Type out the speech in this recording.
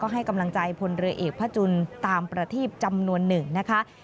ให้กำลังใจพลเรือเอกพระจุลตามประทีบจำนวนหนึ่งนะคะ